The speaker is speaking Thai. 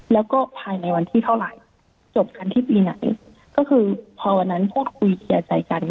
แล้วก็ภายในวันที่เท่าไหร่จบกันที่ปีไหนก็คือพอวันนั้นพูดคุยเคลียร์ใจกัน